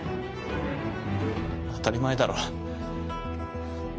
当たり前だろ。